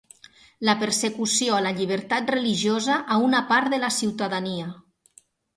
La persecució a la llibertat religiosa a una part de la ciutadania.